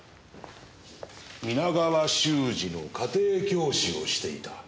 「皆川修二の家庭教師をしていた」。